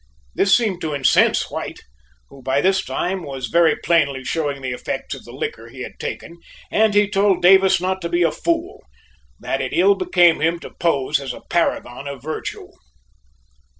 This seemed to incense White, who by this time was very plainly showing the effects of the liquor he had taken, and he told Davis not to be a fool; that it ill became him to pose as a paragon of virtue.